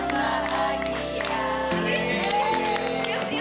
selamat jalan sehat semuanya